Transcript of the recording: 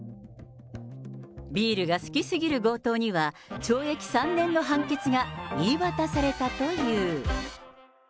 ビールが好きすぎる強盗には、懲役３年の判決が言い渡されたという。